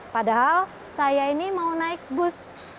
padahal saya ini mau naik bus